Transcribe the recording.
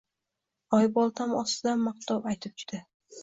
Oyboltam ostida, maqtov aytib juda